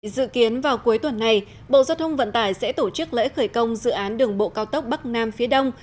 dự kiến vào cuối tuần này bộ giao thông vận tải sẽ tổ chức lễ khởi công dự án đường bộ cao tốc bắc nam phía đông